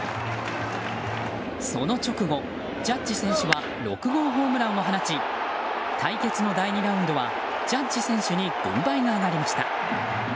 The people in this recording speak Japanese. その直後、ジャッジ選手は６号ホームランを放ち対決の第２ラウンドはジャッジ選手に軍配が上がりました。